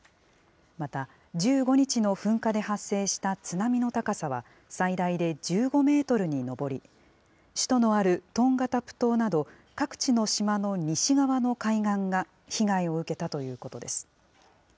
また、１５日の噴火で発生した津波の高さは、最大で１５メートルに上り、首都のあるトンガタプ島など、各地の島の西側の海岸が被害を受けたということです。